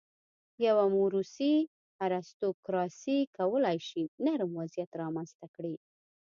یوه موروثي ارستوکراسي کولای شي نرم وضعیت رامنځته کړي.